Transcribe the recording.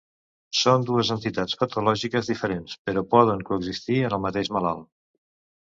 Són dues entitats patològiques diferents, però poden coexistir en el mateix malalt.